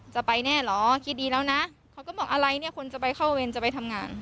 จะไปแน่เหรอคิดดีแล้วนะเขาก็บอกอะไรเนี่ยคนจะไปเข้าเวรจะไปทำงาน